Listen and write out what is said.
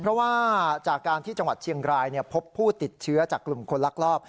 เพราะว่าจากการที่จังหวัดเชียงรายพบผู้ติดเชื้อจากกลุ่มคนลักลอบ